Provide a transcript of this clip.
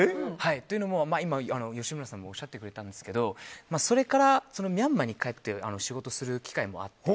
今、吉村さんがおっしゃってくれたんですけどそれからミャンマーに帰って仕事をする機会があって。